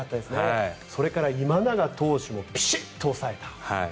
それから今永投手もピシッと抑えた。